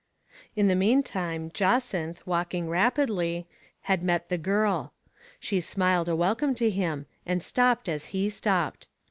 In the meantime, Jacynth, walking rapidly, had met the girl. She smiled a welcome to him, and stopped as he stopped.